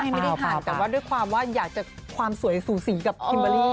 ไม่ได้หั่นแต่ว่าด้วยความว่าอยากจะความสวยสูสีกับคิมเบอร์รี่